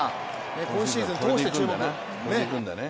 今シーズン通して注目です。